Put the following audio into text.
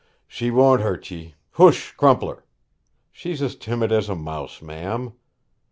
'She won't hurt ye. Hoosh, Crumpler! She's as timid as a mouse, ma'am.'